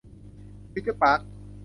ฟิวเจอร์ปาร์ค